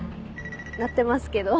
鳴ってますけど。